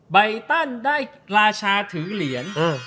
ใบตันได้ราชาถือเหรียญ